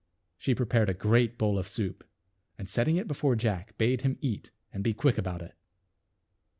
She prepared a great bowl of soup, and setting it before Jack bade him eat and be quick about it.